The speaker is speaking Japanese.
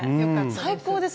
最高です。